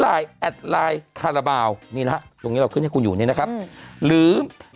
ไลน์แอดไลน์คาราบาลนี่นะครับขึ้นให้คุณอยู่นี่นะครับหรือ